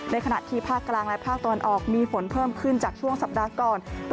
ขณะที่ภาคกลางและภาคตะวันออกมีฝนเพิ่มขึ้นจากช่วงสัปดาห์ก่อน